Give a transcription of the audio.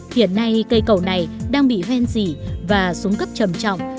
hiện nay cây cầu này đang bị hoen dỉ và xuống cấp trầm trọng